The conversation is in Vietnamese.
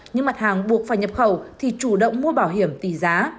nhưng mặt hàng buộc phải nhập khẩu thì chủ động mua bảo hiểm tỷ giá